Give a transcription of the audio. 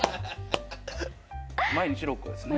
毎日６個ですね。